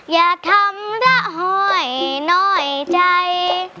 อย่าทำระหอยน้อยใจ